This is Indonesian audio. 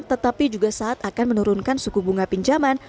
tetapi juga saat akan menurunkan suku bunga pinjaman